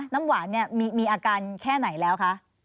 น้ำหวานมีอาการแค่ไหนแล้วคะ